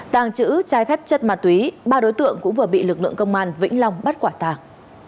tàng trữ trái phép chất ma túy ba đối tượng cũng vừa bị lực lượng công an vĩnh long bắt quả tàng